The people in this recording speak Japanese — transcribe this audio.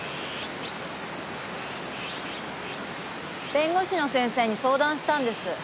弁護士の先生に相談したんです。